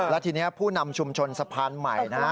และทีนี้ผู้นำชุมชนสะพานใหม่นะฮะ